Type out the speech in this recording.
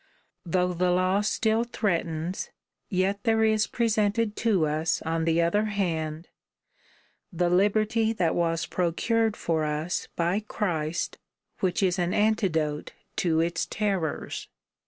Though the law still threatens, yet there is presented to us on the other hand, the liberty that was procured for us by Christ, which is an antidote to its terrors.